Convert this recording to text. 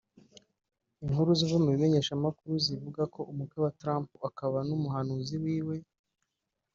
Inkuru ziva mu bimenyeshamakuru zivuga ko umukwe wa Trump akaba n’umuhanuzi wiwe